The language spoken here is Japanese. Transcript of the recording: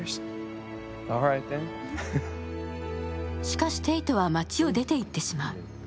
しかし、テイトは町を出て行ってしまう。